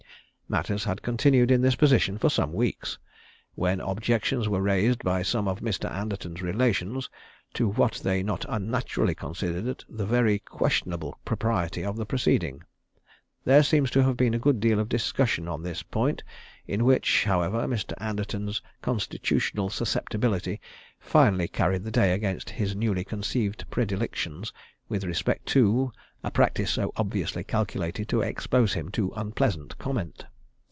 Matters had continued in this position for some weeks, when objections were raised by some of Mr. Anderton's relations to what they not unnaturally considered the very questionable propriety of the proceeding. There seems to have been a good deal of discussion on this point in which, however, Mr. Anderton's constitutional susceptibility finally carried the day against his newly conceived predilections with respect to, a practice so obviously calculated to expose him to unpleasant comment.